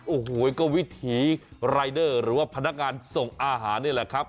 โอ้โหก็วิถีรายเดอร์หรือว่าพนักงานส่งอาหารนี่แหละครับ